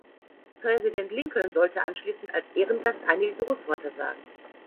Präsident Lincoln sollte anschließend als Ehrengast einige Grußworte sagen.